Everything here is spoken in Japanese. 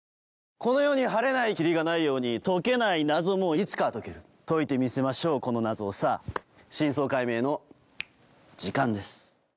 この世に晴れない霧がないように解けない謎もいつかは解ける解いてみせましょうこの謎をさぁ真相解明の時間です。